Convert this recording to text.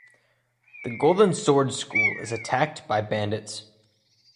The Golden Sword school is attacked by bandits.